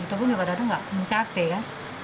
tapi pada saat ini nggak mencate ya